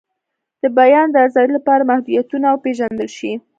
د بیان د آزادۍ لپاره محدودیتونه وپیژندل شي.